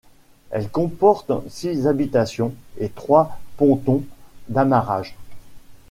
Elle comporte six habitations et trois pontons d’amarrage.